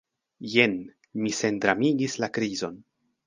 Jen, mi sendramigis la krizon.